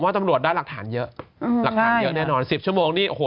ผมว่าตำรวจได้หลักฐานเยอะหลักฐานเยอะแน่นอน